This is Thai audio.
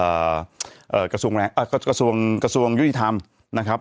เอ่อกระทรวงกกระทรวงกระทรวงยุธรรมนะครับ